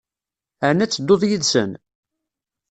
Ɛni ad tedduḍ yid-sen?